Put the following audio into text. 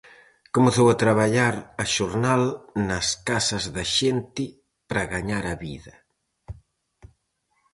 Comezou a traballar a xornal nas casas da xente para gañar a vida.